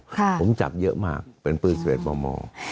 ผมจับเยอะมากเป็นปืนสิริษฐ์บ่อมอง